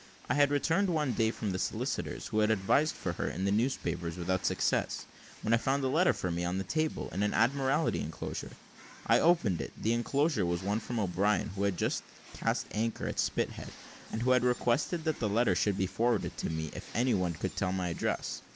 I had returned one day from the solicitor's, who had advertised for her in the newspapers without success, when I found a letter for me on the table, in an Admiralty enclosure. I opened it the enclosure was one from O'Brien, who had just cast anchor at Spithead, and who had requested that the letter should be forwarded to me, if any one could tell my address.